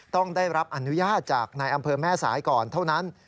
ต้องได้รับอนุญาตจากนายอำเภอแม่สายก่อนเท่านั้น